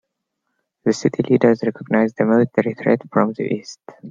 The city leaders recognized a military threat from the east.